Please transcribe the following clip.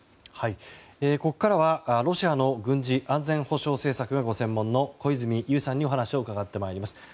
ここからはロシアの軍事・安全保障政策がご専門の小泉悠さんにお話を伺ってまいります。